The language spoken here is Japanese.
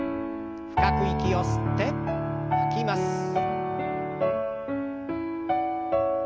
深く息を吸って吐きます。